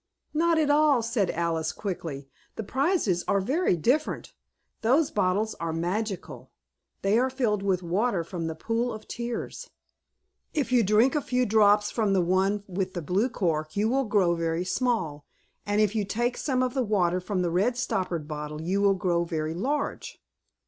"Not at all," said Alice, quickly. "The prizes are very different. Those bottles are magical. They are filled with water from the pool of tears. If you drink a few drops from the one with the blue cork you will grow very small. And if you take some of the water from the red stoppered bottle you will grow very large.